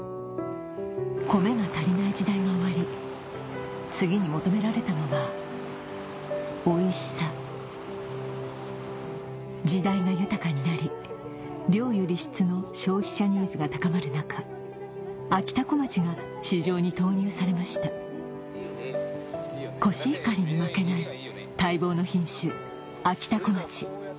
コメが足りない時代が終わり次に求められたのはおいしさ時代が豊かになり量より質の消費者ニーズが高まる中あきたこまちが市場に投入されましたコシヒカリに負けない待望の品種あきたこまち